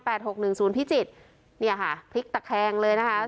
หกหนึ่งศูนย์พิจิตรเนี่ยค่ะพลิกตะแคงเลยนะคะ